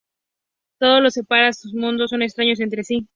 Todo los separa, sus mundos son extraños entre sí.